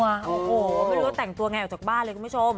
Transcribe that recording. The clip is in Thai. โอ้โหไม่รู้ว่าแต่งตัวไรออกจากบ้านเลย